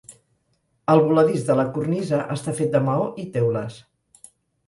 El voladís de la cornisa està fet de maó i teules.